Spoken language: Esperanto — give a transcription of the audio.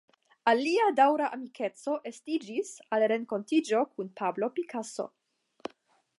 Alia daŭra amikeco estiĝis el renkontiĝo kun Pablo Picasso.